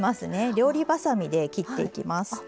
料理ばさみで切っていきます。